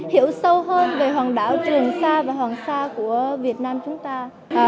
hiểu sâu hơn về hòn đảo trường sa và hoàng sa của việt nam chúng ta